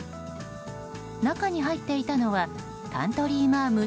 中に入っていたのはカントリーマアム